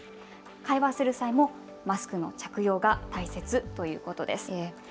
会話する際もマスクの着用が大切ということです。